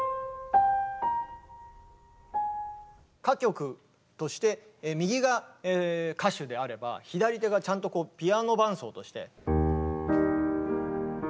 歌曲として右が歌手であれば左手がちゃんとピアノ伴奏として。